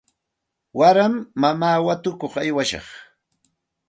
Waraymi mamaata watukuq aywashaq.